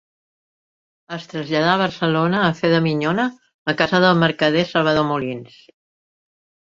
Es traslladà a Barcelona a fer de minyona, a casa del mercader Salvador Molins.